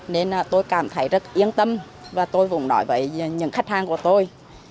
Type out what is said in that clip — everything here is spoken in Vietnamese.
nên tôi cảm thấy rất yên tâm và tôi vùng nói với những khách hàng của tôi